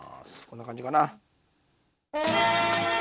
こんな感じかな。